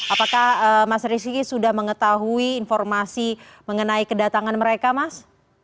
apakah mas rizki sudah mengetahui informasi mengenai kedatangan mereka mas